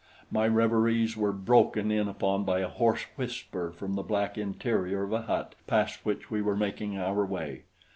My reveries were broken in upon by a hoarse whisper from the black interior of a hut past which we were making our way.